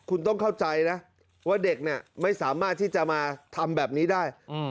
คุณต้องเข้าใจนะว่าเด็กเนี่ยไม่สามารถที่จะมาทำแบบนี้ได้